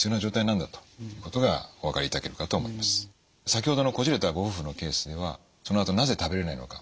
先ほどのこじれたご夫婦のケースではそのあと「なぜ食べれないのか」